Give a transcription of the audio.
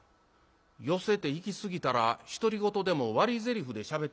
寄席て行きすぎたら独り言でも割りぜりふでしゃべってしまうな。